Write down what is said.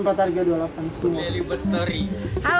pemilih buat story